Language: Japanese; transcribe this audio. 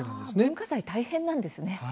文化財、大変なんですね。